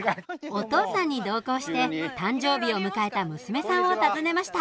お父さんに同行して、誕生日を迎えた娘さんを訪ねました。